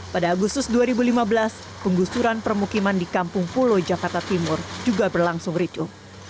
pada agustus dua ribu lima belas penggusuran permukiman di kampung pulo jakarta timur juga berlangsung ricu